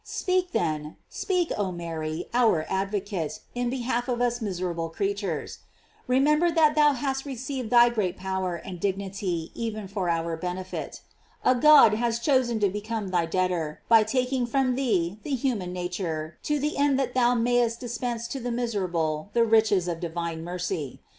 * Speak then, speak, oh Mary our advocate , in behalf of us miserable creatures. Remember that thou hast received thy great power and dignity even for our benefit. A God has chosen to become thy debtor, by taking from thee the human nature to the end that thou mayest dispense to the mis erable the riches of divine mercy.